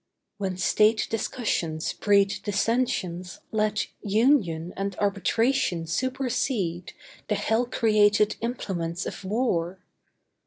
When State discussions breed dissensions, let Union and Arbitration supersede The hell created implements of War.